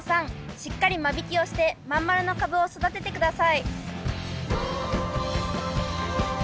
しっかり間引きをしてまん丸のカブを育てて下さい。